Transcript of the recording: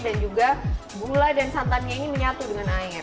dan juga gula dan santannya ini menyatu dengan air